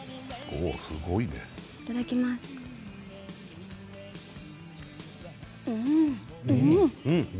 おおすごいねいただきますうんうん！